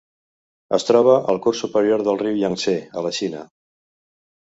Es troba al curs superior del riu Iang-Tsé a la Xina.